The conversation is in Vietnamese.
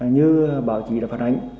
như báo chí đã phản ánh